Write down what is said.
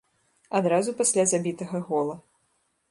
Адразу пасля забітага гола.